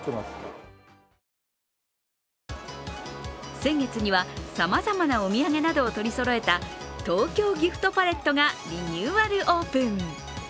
先月にはさまざまなお土産などを取りそろえた東京ギフトパレットがリニューアルオープン。